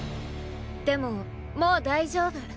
でももう大丈夫。